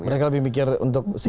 mereka lebih mikir untuk si